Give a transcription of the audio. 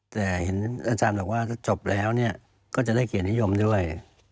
แต่เห็นอาจารย์บอกว่าถ้าจบแล้วก็จะได้เกียรตินิยมด้วย